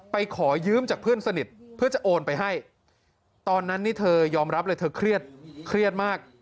ขอยืมจากเพื่อนสนิทเพื่อจะโอนไปให้ตอนนั้นนี่เธอยอมรับเลยเธอเครียดมาก